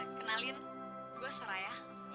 kenalin gue soraya